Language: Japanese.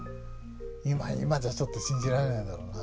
今じゃちょっと信じられないだろうなあ。